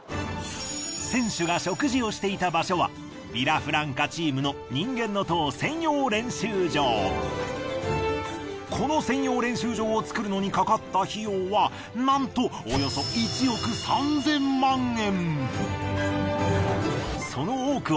選手が食事をしていた場所はヴィラフランカチームのこの専用練習場を作るのにかかった費用はなんとおよそ１億３，０００万円。